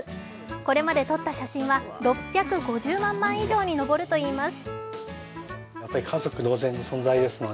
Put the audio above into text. これまで撮った写真は６５０万枚以上に上るといいます。